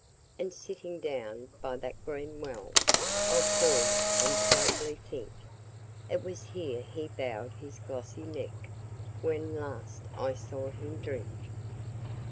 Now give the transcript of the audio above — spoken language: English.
And sitting down by that green well, I'll pause and sadly think: It was here he bowed his glossy neck when last I saw him drink!